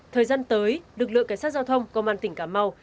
thời gian tới lực lượng cảnh sát giao thông công an tỉnh cà mau